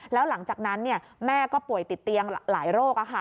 แล้วหลังจากนั้นแม่ก็ป่วยติดเตียงหลายโรค